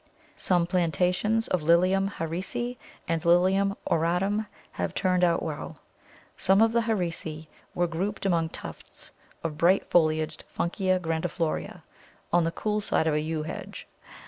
Some plantations of Lilium Harrisi and Lilium auratum have turned out well. Some of the Harrisi were grouped among tufts of the bright foliaged Funkia grandiflora on the cool side of a Yew hedge.